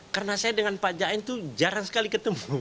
karena saya dengan pak jaen itu jarang sekali ketemu